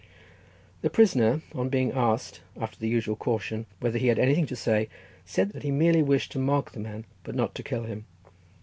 The prisoner, on being asked, after the usual caution, whether he had anything to say, said that he merely wished to mark the man, but not to kill him.